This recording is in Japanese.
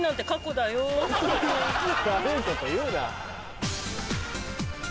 悪いこと言うな！